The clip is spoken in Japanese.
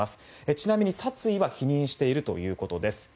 ちなみに殺意は否認しているということです。